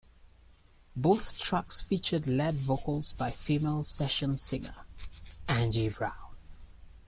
Both tracks featured lead vocals by female session singer Angie Brown.